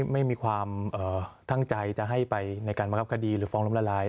ไม่มีความตั้งใจจะให้ไปในการบังคับคดีหรือฟ้องล้มละลาย